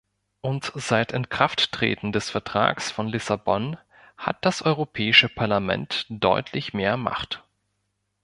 Und seit Inkrafttreten des Vertrags von Lissabon hat das Europäische Parlament deutlich mehr Macht.